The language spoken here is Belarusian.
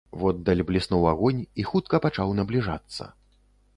Воддаль бліснуў агонь і хутка пачаў набліжацца.